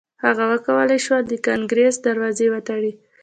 هغه کولای شوای د کانګریس دروازې وتړي.